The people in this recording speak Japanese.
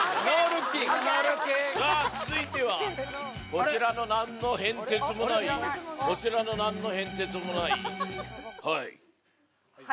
さぁ続いてはこちらの何の変哲もないこちらの何の変哲もないはい。